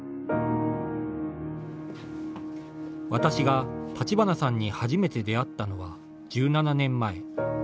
私が立花さんに初めて出会ったのは１７年前。